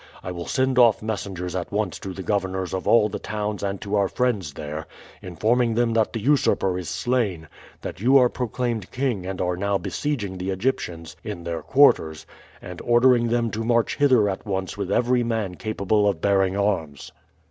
I will send off messengers at once to the governors of all the towns and to our friends there, informing them that the usurper is slain, that you are proclaimed king and are now besieging the Egyptians in their quarters, and ordering them to march hither at once with every man capable of bearing arms.